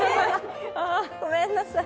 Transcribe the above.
ごめんなさい。